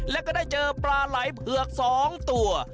แล้วก็ได้เจอปลาไหล่เผือก๒ตัว